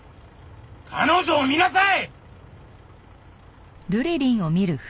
彼女を見なさい！